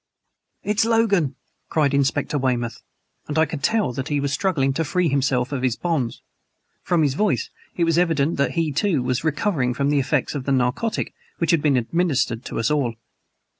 "It's Logan!" cried Inspector Weymouth; and I could tell that he was struggling to free himself of his bonds. From his voice it was evident that he, too, was recovering from the effects of the narcotic which had been administered to us all.